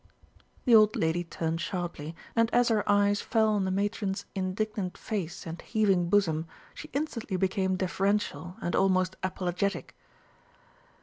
The old lady turned sharply, and as her eyes fell on the matron's indignant face and heaving bosom, she instantly became deferential and almost apologetic.